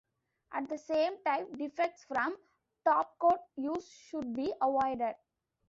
At the same time, defects from topcoat use should be avoided.